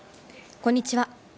こんにちは。